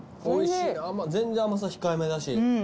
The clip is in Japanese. おいしいな全然甘さ控えめだし。